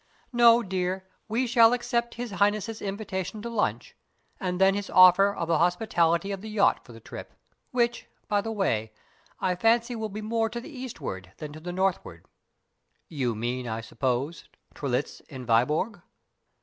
No, dear, we shall accept His Highness's invitation to lunch, and then his offer of the hospitality of the yacht for the trip, which, by the way, I fancy will be more to the eastward than to the northward " "You mean, I suppose, Trelitz and Viborg?"